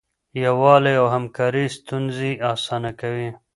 یووالی او همکاري ستونزې اسانه کوي.